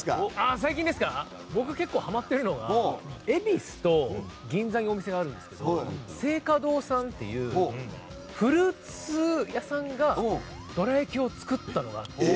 最近、僕結構ハマっているのが恵比寿と銀座にお店があるんですけどセイカドウさんっていうフルーツ屋さんがどら焼きを作ったのがあって。